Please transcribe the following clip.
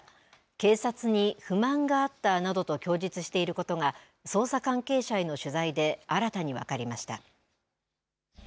警察に不満があったなどと供述していることが捜査関係者への取材で新たに分かりました。